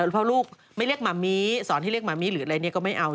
เพราะลูกไม่เรียกหมามีสอนให้เรียกหมามิหรืออะไรก็ไม่เอา